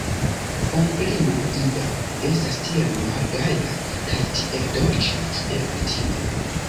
Onklino Ida estas tiel malgaja kaj tiel dolĉa, kiel kutime.